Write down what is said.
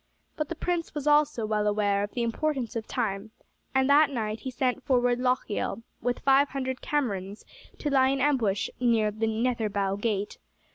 But the prince was also well aware of the importance of time, and that night he sent forward Lochiel with five hundred Camerons to lie in ambush near the Netherbow Gate.